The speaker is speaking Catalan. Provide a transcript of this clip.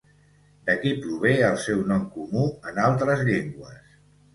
D'aquí prové el seu nom comú en altres llengües.